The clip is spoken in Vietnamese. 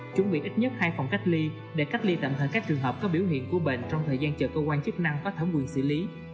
chuẩn bị ít nhất hai phòng cách ly để cách ly tạm thời các trường hợp có biểu hiện của bệnh trong thời gian chờ cơ quan chức năng có thẩm quyền xử lý